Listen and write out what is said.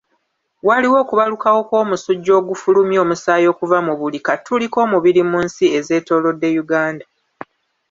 Waliwo okubalukawo kw'omusujja ogufulumya omusaayi okuva mu buli katuli k'omubiri mu nsi ezetoolodde Uganda.